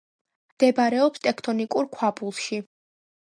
მდებარეობს ტექტონიკურ ქვაბულში.